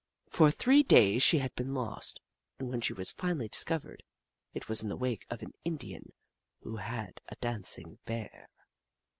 For three days she had been lost, and when she was finally discovered, it was in the wake of an Italian who had a dancing Bear.